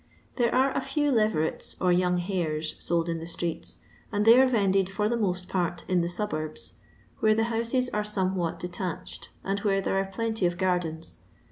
Thbrb are a few leverets, or young hares, told in the streett, and they are vended for the mott part in the tuburbs, where the houses are somewhat detached, and where there are plenty of gardens.